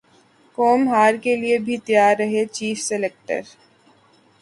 قوم ہار کیلئے بھی تیار رہے چیف سلیکٹر